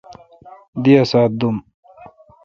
دی اسا ت دوم۔